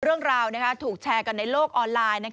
เรื่องราวถูกแชร์กันในโลกออนไลน์